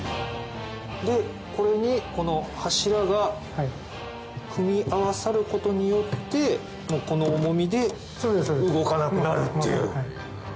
これにこの柱が組み合わさることによってこの重みで動かなくなるっていう。